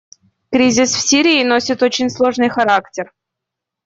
Кризис в Сирии носит очень сложный характер.